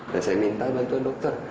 dan saya minta bantuan dokter